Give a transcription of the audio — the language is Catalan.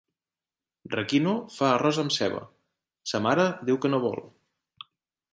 Requino fa arròs amb ceba, sa mare diu que no vol.